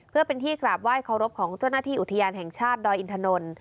เพื่อเป็นที่กราบไห้เคารพของเจ้าหน้าที่อุทยานแห่งชาติดอยอินทนนท์